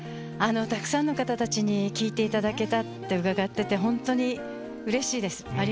たくさんの方たちに聴いていただけたって伺ってて、本当にうれしいです。